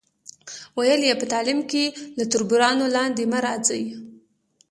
ویل یې، په تعلیم کې له تربورانو لاندې مه راځئ.